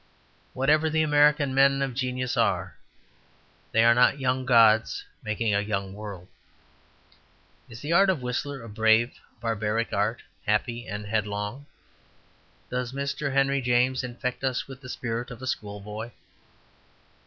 Whatever the American men of genius are, they are not young gods making a young world. Is the art of Whistler a brave, barbaric art, happy and headlong? Does Mr. Henry James infect us with the spirit of a schoolboy?